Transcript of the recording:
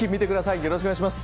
よろしくお願いします。